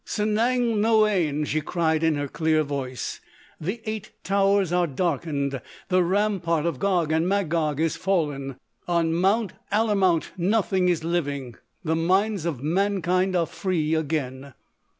"Sanang Noïane!" she cried in her clear voice, "the Eight Towers are darkened! The Rampart of Gog and Magog is fallen! On Mount Alamout nothing is living. The minds of mankind are free again!"